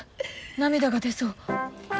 涙が出そう。